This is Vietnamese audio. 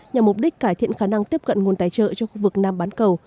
nhằm mục đích cải thiện khả năng tiếp cận nguồn tài trợ cho khu vực nam bán cầu